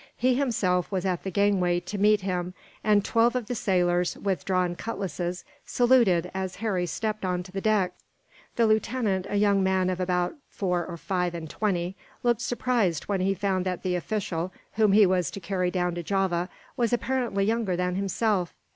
He himself was at the gangway to meet him, and twelve of the sailors, with drawn cutlasses, saluted as Harry stepped on to the deck. The lieutenant, a young man of about four or five and twenty, looked surprised when he found that the official, whom he was to carry down to Java, was apparently younger than himself.